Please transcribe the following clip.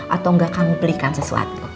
atau enggak kamu belikan sesuatu